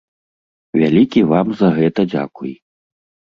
Вялікі вам за гэта дзякуй!